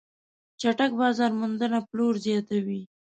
چټک بازار موندنه پلور زیاتوي.